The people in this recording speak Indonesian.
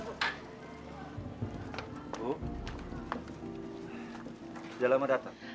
udah lama datang